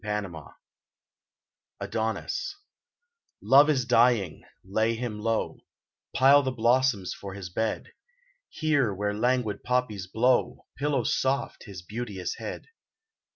119 ADONIS T OVE is dying ; lay him low ; Pile the blossoms for his bed : Here, where languid poppies blow, Pillow soft his beauteous head